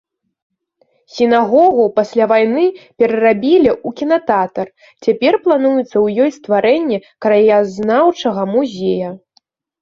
Сінагогу пасля вайны перарабілі ў кінатэатр, цяпер плануецца ў ёй стварэнне краязнаўчага музея.